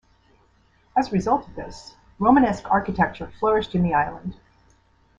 As a result of this, Romanesque architecture flourished in the island.